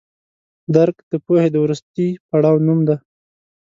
درک د پوهې د وروستي پړاو نوم دی.